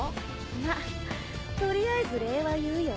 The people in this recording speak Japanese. まあ取りあえず礼は言うよ。